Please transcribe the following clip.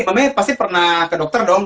mbak may pasti pernah ke dokter dong